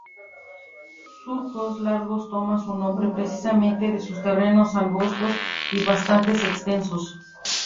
Surcos Largos toma su nombre precisamente de sus terrenos angostos y bastante extensos.